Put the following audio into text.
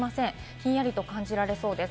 ひんやりと感じられそうです。